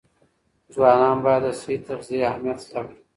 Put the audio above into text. ځوانان باید د صحي تغذیې اهمیت زده کړي.